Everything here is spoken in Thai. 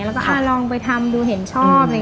แล้วก็อ้าวลองไปรู้พอชอบ